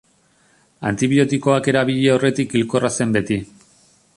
Antibiotikoak erabili aurretik hilkorra zen beti.